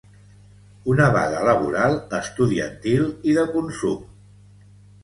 Una vaga laboral, estudiantil i de consum.